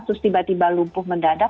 terus tiba tiba lumpuh mendadak